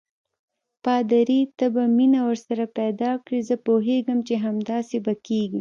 پادري: ته به مینه ورسره پیدا کړې، زه پوهېږم چې همداسې به کېږي.